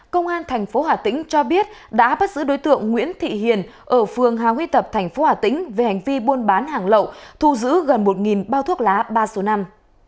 công an thành phố hà tĩnh cho biết đã bắt giữ đối tượng nguyễn thị hiền ở phường hà huy tập thành phố hà tĩnh về hành vi buôn bán hàng lậu thu giữ gần một bao thuốc lá ba số năm